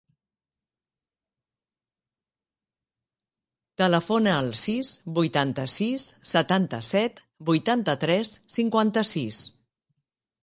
Telefona al sis, vuitanta-sis, setanta-set, vuitanta-tres, cinquanta-sis.